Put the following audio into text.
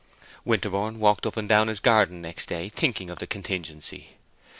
Winterborne walked up and down his garden next day thinking of the contingency.